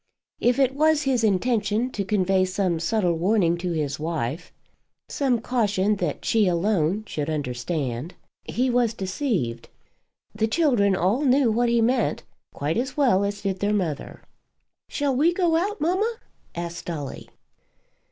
If it was his intention to convey some subtle warning to his wife, some caution that she alone should understand, he was deceived. The "children" all knew what he meant quite as well as did their mother. "Shall we go out, mamma?" asked Dolly.